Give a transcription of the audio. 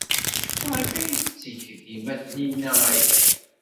Maɣef ay tetteg dima Taninna aya?